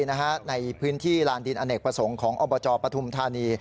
ในพื้นที่ลานดินอเนกประสงค์ของอบจปฐุมธานี